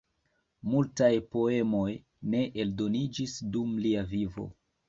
Multaj poemoj ne eldoniĝis dum lia vivo.